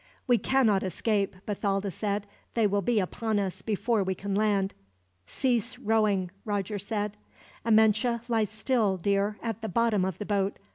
"We cannot escape," Bathalda said. "They will be upon us, before we can land." "Cease rowing," Roger said. "Amenche, lie still, dear, at the bottom of the boat.